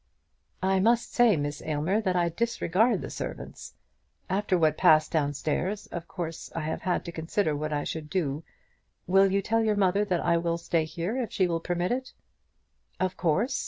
"I must say, Miss Aylmer, that I disregard the servants. After what passed down stairs, of course I have had to consider what I should do. Will you tell your mother that I will stay here, if she will permit it?" "Of course.